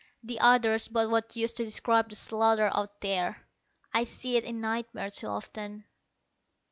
The others but what use to describe the slaughter out there! I see it in nightmares too often.